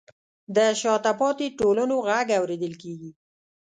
د شاته پاتې ټولنو غږ اورېدل کیږي.